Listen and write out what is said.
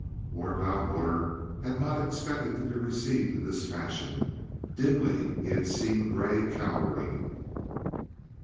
Lord Loudwater had not expected to be received in this fashion; dimly he had seen Grey cowering.